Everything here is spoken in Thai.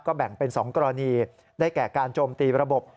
แบ่งเป็น๒กรณีได้แก่การโจมตีระบบ